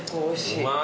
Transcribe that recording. おいしい。